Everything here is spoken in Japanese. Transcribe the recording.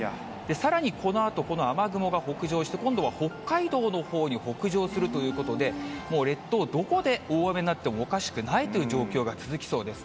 さらにこのあと、この雨雲が北上して、今度は北海道のほうに北上するということで、もう列島、どこで大雨になってもおかしくないという状況が続きそうです。